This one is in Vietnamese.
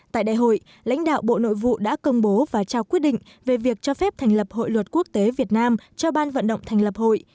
tại đại hội lãnh đạo bộ nội vụ đã công bố và trao quyết định về việc cho phép thành lập hội luật quốc tế việt nam cho ban vận động thành lập hội